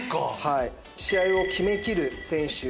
試合を決めきる選手。